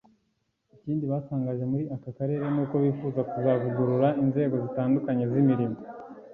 Ikindi batangaje muri aka karere nuko bifuza kuzavugurura inzego zitandukanye zirimo